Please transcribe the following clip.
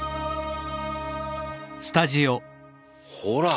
ほら！